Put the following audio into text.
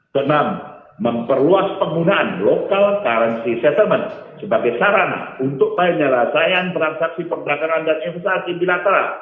ke enam memperluas penggunaan local currency setsment sebagai sarana untuk penyelesaian transaksi perdagangan dan investasi bilateral